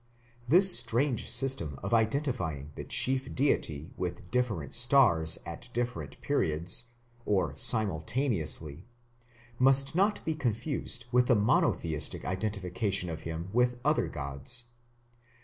This strange system of identifying the chief deity with different stars at different periods, or simultaneously, must not be confused with the monotheistic identification of him with other gods.